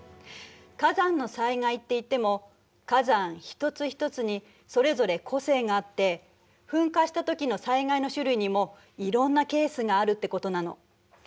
火山の災害っていっても火山一つ一つにそれぞれ個性があって噴火したときの災害の種類にもいろんなケースがあるってことなの。